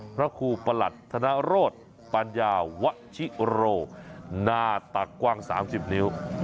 พระครูประหลัดธนโรธปัญญาวชิโรหน้าตักกว้าง๓๐นิ้ว